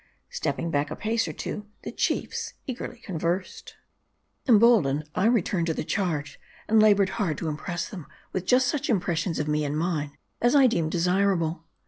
Stepping back a pace or two, the chiefs eagerly ^con versed. Emboldened, I returned to the charge, and labored hard to impress them with just such impressions of me and mine, as I deemed desirable.